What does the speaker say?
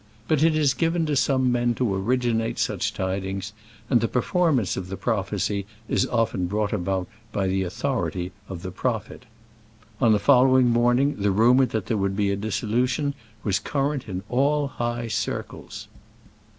But it is given to some men to originate such tidings, and the performance of the prophecy is often brought about by the authority of the prophet. On the following morning the rumour that there would be a dissolution was current in all high circles.